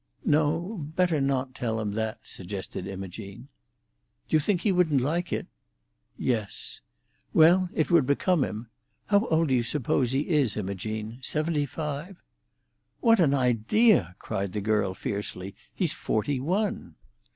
"No, better not tell him that," suggested Imogene. "Do you think he wouldn't like it?" "Yes." "Well, it would become him. How old do you suppose he is, Imogene? Seventy five?" "What an idea!" cried the girl fiercely. "He's forty one."